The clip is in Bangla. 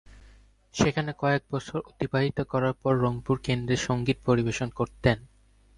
সেখানে কয়েক বছর অতিবাহিত করার পর রংপুর কেন্দ্রে সঙ্গীত পরিবেশন করতেন।